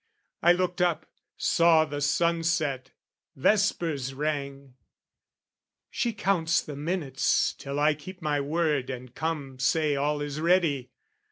I looked up, saw the sunset: vespers rang: "She counts the minutes till I keep my word "And come say all is ready.